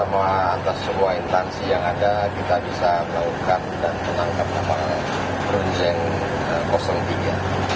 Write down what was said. alhamdulillah hari ini kerjasama atas semua instansi yang ada kita bisa melakukan dan menangkap kapal perusahaan yang kosong juga